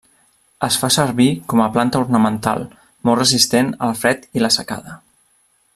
Es fa servir com a planta ornamental molt resistent al fred i la secada.